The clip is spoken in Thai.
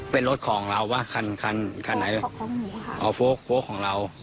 เป็นรถของเราว่ะคันคันคันไหนของของหนูค่ะอ่าของของเรา